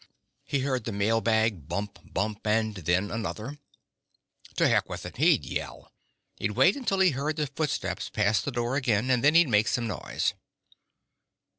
He heard the mail bag bump bump, and then another one. To heck with it; he'd yell. He'd wait until he heard the footsteps pass the door again and then he'd make some noise.